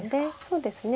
そうですね。